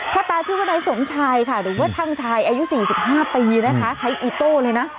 ตาชื่อว่านายสมชายค่ะหรือว่าช่างชายอายุ๔๕ปีนะคะใช้อีโต้เลยนะ